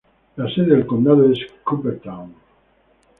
La sede del condado es Cooperstown.